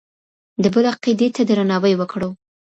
د بل عقيدې ته درناوی وکړو.